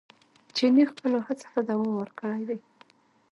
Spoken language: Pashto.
چیني خپلو هڅو ته دوام ورکړی دی.